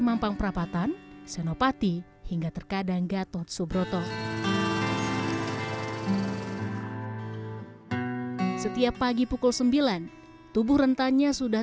mampang perapatan senopati hingga terkadang gatot subroto setiap pagi pukul sembilan tubuh rentannya sudah